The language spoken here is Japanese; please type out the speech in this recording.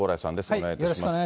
お願いいたします。